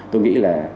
tôi nghĩ là